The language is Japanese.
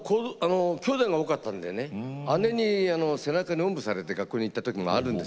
きょうだいが多かったので姉に背中におんぶされて学校行ったときもあるんです。